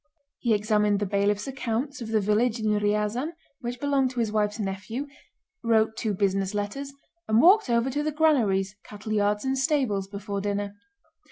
He examined the bailiff's accounts of the village in Ryazán which belonged to his wife's nephew, wrote two business letters, and walked over to the granaries, cattle yards and stables before dinner.